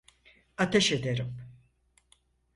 Ateş ederim!